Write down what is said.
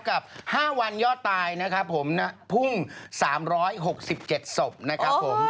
กับ๕วันยอดตายนะครับผมพุ่ง๓๖๗ศพนะครับผม